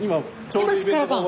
今すっからかん？